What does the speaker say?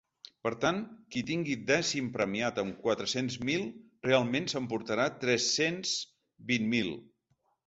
Per tant, qui tingui dècim premiat amb quatre-cents mil, realment s’emportarà tres-cents vint mil.